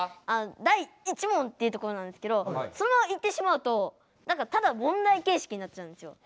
「第１問」って言うところなんですけどそのまま言ってしまうとただ問題形式になっちゃうんですよ。